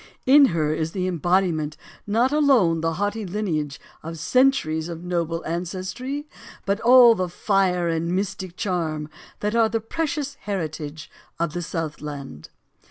In her is embodied not alone the haughty lineage of cen turies of noble ancestry, but all the fire and mystic charm that are the precious heritage of the Southland.